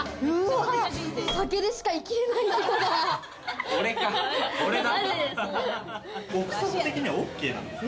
酒でしか生きれない人だ。